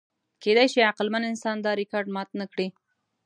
کېدی شي عقلمن انسان دا ریکارډ مات نهکړي.